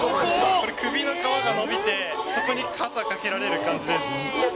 これ、首の皮が伸びて、そこに傘、掛けられる感じです。